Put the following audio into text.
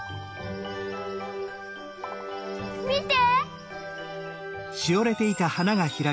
みて！